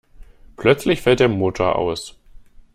Plötzlich fällt der Motor aus.